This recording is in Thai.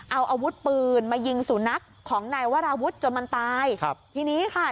เอาอาวุธปืนมายิงสุนัขของนายวราวุฒิจนมันตายครับทีนี้ค่ะ